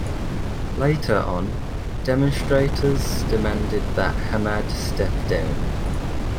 Later on, demonstrators demanded that Hamad step down.